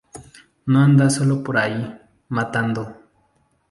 No anda sólo por ahí, matando.